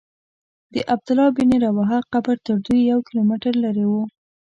د عبدالله بن رواحه قبر تر دوی یو کیلومتر لرې و.